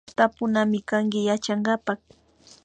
Tapunamikanki Yachankapak